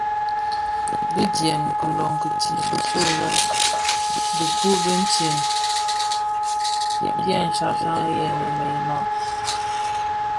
Bi djèm kilōň itsem nso lè dhipud ditsem dyè shyashyak mëyeňa.